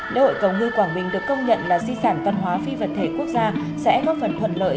lễ hội cầu ngư quảng bình được công nhận là di sản văn hóa phi vật thể quốc gia sẽ góp phần thuận lợi